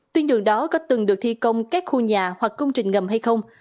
tuyên đường đó có từng được thi công các khu nhà hoặc công trình ngầm hay không